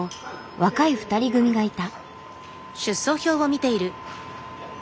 若い２人組がいた。